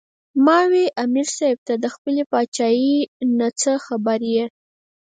" ـ ما وې " امیر صېب تۀ د خپلې باچائۍ نه څۀ خبر ئې